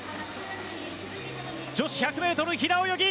女子１００ｍ平泳ぎ。